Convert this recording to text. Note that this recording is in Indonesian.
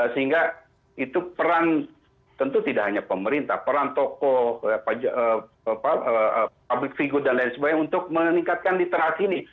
sehingga itu peran tentu tidak hanya pemerintah peran tokoh publik figure dan lain sebagainya untuk meningkatkan literasi ini